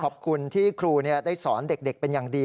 ขอบคุณที่ครูได้สอนเด็กเป็นอย่างดี